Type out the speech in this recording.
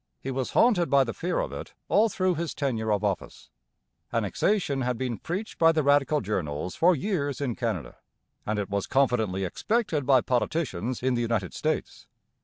He was haunted by the fear of it all through his tenure of office. Annexation had been preached by the Radical journals for years in Canada; and it was confidently expected by politicians in the United States.